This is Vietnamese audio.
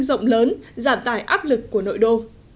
rộng lớn giảm tải áp lực của nội đô